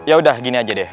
yaudah gini aja deh